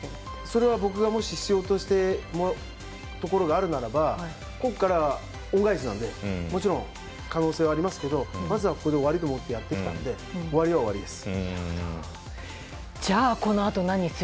それは僕がもし必要としてくれるところがあるのならここから恩返しなのでもちろん可能性はありますけどまずは、ここで終わると思ってやってきたので終わりは終わりです。